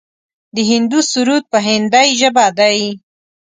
د هندو سرود په هندۍ ژبه دی.